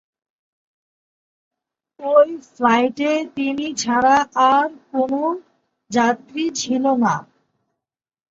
ওই ফ্লাইটে তিনি ছাড়া আর কোনো যাত্রী ছিল না।